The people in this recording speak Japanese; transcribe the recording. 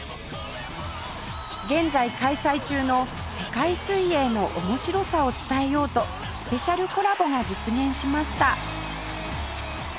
現在開催中の世界水泳の面白さを伝えようとスペシャルコラボが実現しました